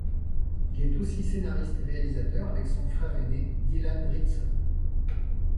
Il est aussi scénariste et réalisateur avec son frère aîné Dylan Ritson.